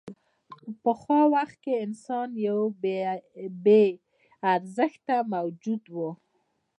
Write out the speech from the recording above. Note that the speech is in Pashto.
په پخوا وخت کې انسان یو بېارزښته موجود و.